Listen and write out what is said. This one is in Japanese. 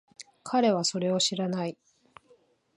彼はそれを知らない。